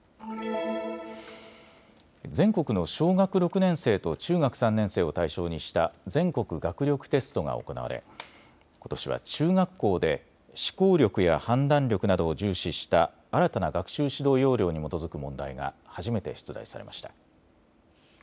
全国の小学６年生と中学３年生を対象にした全国学力テストが行われことしは中学校で思考力や判断力などを重視した新たな学習指導要領に基づく問題が初めて出題されました。